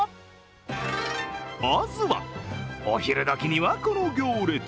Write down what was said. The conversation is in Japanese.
まずは、お昼どきにはこの行列。